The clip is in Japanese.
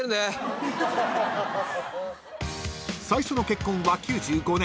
［最初の結婚は９５年］